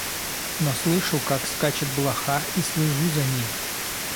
Но слышу, как скачет блоха, и слежу за ней.